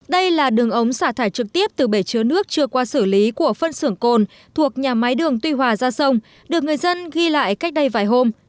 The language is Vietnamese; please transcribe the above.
đây là đường ống xả thải trực tiếp từ bể chứa nước chưa qua xử lý của phân xưởng cồn thuộc nhà máy đường tuy hòa ra sông được người dân ghi lại cách đây vài hôm